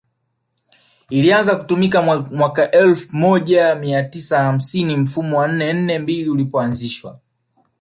ilianza kutumika mwaka elfu moja mia tisa hamsini mfumo wa nne nne mbili ulipoanzishwa